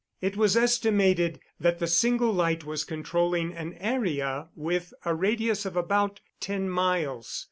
It was estimated that the single light was controlling an area with a radius of about ten miles.